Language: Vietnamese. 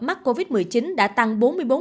mắc covid một mươi chín đã tăng bốn mươi bốn